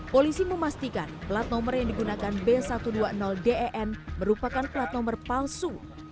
polisi memastikan plat nomor yang digunakan b satu ratus dua puluh den merupakan plat nomor palsu